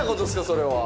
それは。